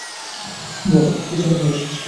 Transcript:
বলো, কি জন্যে এসেছো?